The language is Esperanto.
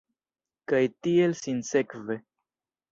Kaj tiel sinsekve.